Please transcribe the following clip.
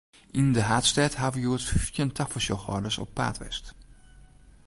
Yn de haadstêd hawwe hjoed fyftjin tafersjochhâlders op paad west.